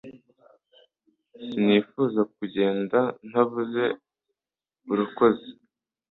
Sinifuzaga kugenda ntavuze urakoze